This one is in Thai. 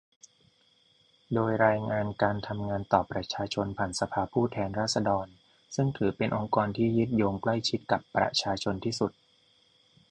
โดยรายงานการทำงานต่อประชาชนผ่านสภาผู้แทนราษฎร ซึ่งถือเป็นองค์กรที่ยึดโยงใกล้ชิดกับประชาชนที่สุด